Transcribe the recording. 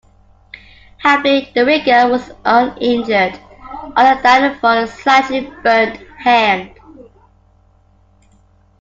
Happily, the rigger was uninjured, other than for a slightly burned hand.